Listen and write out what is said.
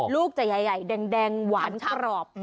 ลูกจะใหญ่แดงหวานกรอบ